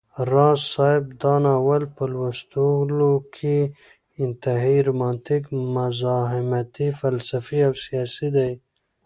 راز صاحب دا ناول په لوستلو کي انتهائى رومانتيک، مزاحمتى، فلسفى او سياسى دى